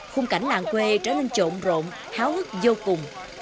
khung cảnh làng quê trở nên trộm rộn háo hức vô cùng